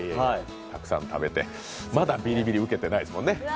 たくさん食べて、まだビリビリ受けてないですもんね。